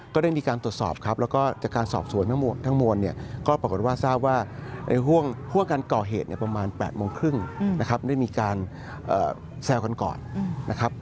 ก็ได้มีการตรวจสอบครับแล้วก็จากการสอบสวนทั้งหมดทั้งมวลเนี่ยก็ปรากฏว่าทราบว่าการก่อเหตุเนี่ยประมาณ๘โมงครึ่งนะครับได้มีการแซวกันก่อนนะครับ